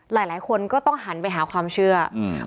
หลายคนก็ต้องหันไปหาความเชื่ออืม